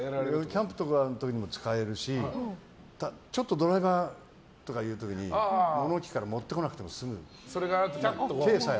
キャンプとかの時に使えるしちょっとドライバーとかいう時に物置から持ってこなくても済む。